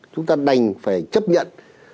chúng ta đành phải chấp nhận